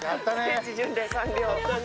聖地巡礼完了。